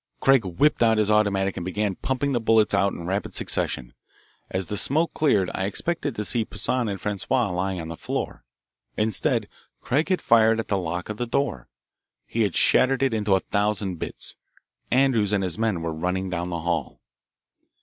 Craig whipped out his automatic and began pumping the bullets out in rapid succession. As the smoke cleared I expected to see Poissan and Francois lying on the floor. Instead, Craig had fired at the lock of the door. He had shattered it into a thousand bits. Andrews and his men were running down the hall.